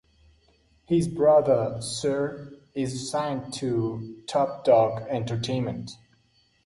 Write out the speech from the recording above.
His brother SiR is signed to Top Dawg Entertainment.